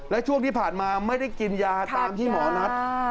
และช่วงที่ผ่านมาไม่ได้กินยาตามที่หมอนัด